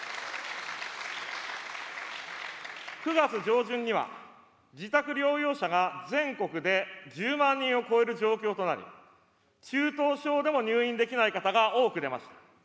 ９月上旬には自宅療養者が全国で１０万人を超える状況となり、中等症でも入院できない方が多く出ました。